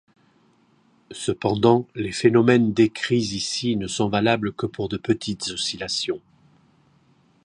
Cependant, les phénomènes décrits ici ne sont valables que pour de petites oscillations.